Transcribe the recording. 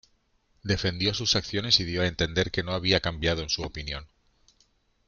Defendió sus acciones y dio a entender que no había cambiado en su opinión.